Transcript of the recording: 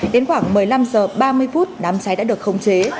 đến khoảng một mươi năm h ba mươi phút đám cháy đã được khống chế